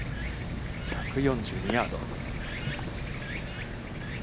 １４２ヤード。